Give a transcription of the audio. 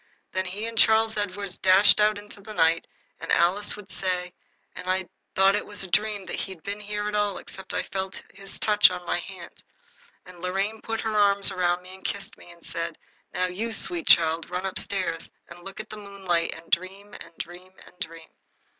Then he and Charles Edward dashed out into the night, as Alice would say, and I should have thought it was a dream that he'd been there at all except that I felt his touch on my hand. And Lorraine put her arms round me and kissed me and said, "Now, you sweet child, run up stairs and look at the moonlight and dream and dream and dream."